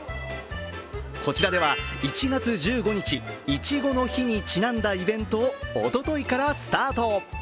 こちらでは１月１５日、いちごの日にちなんだイベントをおとといからスタート。